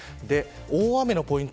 大雨のポイント